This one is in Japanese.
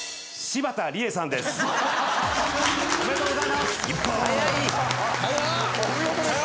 柴田理恵さんが。